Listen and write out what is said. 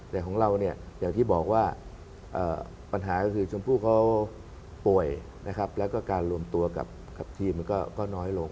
แต่ของเราเนี่ยอย่างที่บอกว่าปัญหาก็คือชมพู่เขาป่วยนะครับแล้วก็การรวมตัวกับทีมมันก็น้อยลง